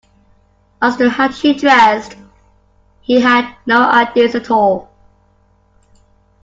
As to how she dressed, he had no ideas at all.